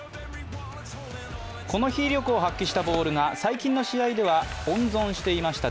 この日、威力を発揮したボールが最近の試合では温存していました